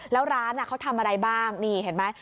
แล้วร้านเขาทำอะไรบ้างนี่เห็นไหม